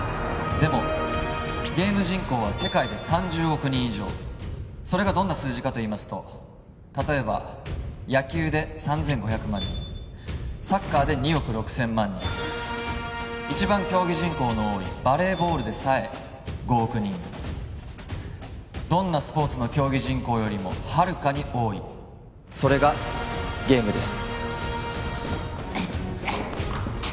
でもゲーム人口は世界で３０億人以上それがどんな数字かといいますと例えば野球で３５００万人サッカーで２億６０００万人一番競技人口の多いバレーボールでさえ５億人どんなスポーツの競技人口よりもはるかに多いそれがゲームです